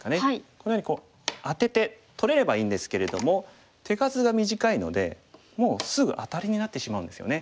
このようにこうアテて取れればいいんですけれども手数が短いのでもうすぐアタリになってしまうんですよね。